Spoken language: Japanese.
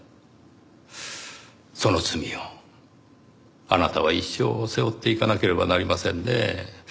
その罪をあなたは一生背負っていかなければなりませんねぇ。